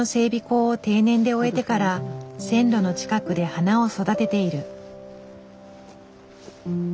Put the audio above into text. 工を定年で終えてから線路の近くで花を育てている。